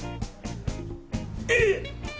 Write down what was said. えっ！